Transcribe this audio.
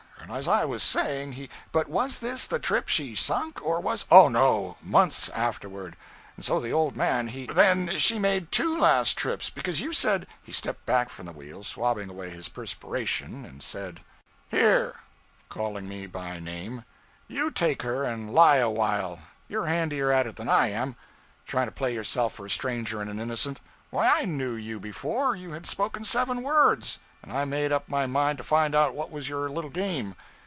And as I was saying, he ' 'But was this the trip she sunk, or was ' 'Oh, no! months afterward. And so the old man, he ' 'Then she made _two _last trips, because you said ' He stepped back from the wheel, swabbing away his perspiration, and said 'Here!' (calling me by name), '_you _take her and lie a while you're handier at it than I am. Trying to play yourself for a stranger and an innocent! why, I knew you before you had spoken seven words; and I made up my mind to find out what was your little game.